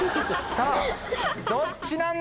さぁどっちなんだい？